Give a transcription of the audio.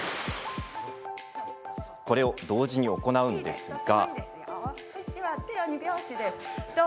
これを同時に行うのですが。